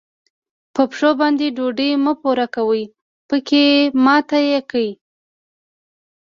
په پښو باندې ډوډۍ مه پورې کوه؛ پکې ماته يې کړه.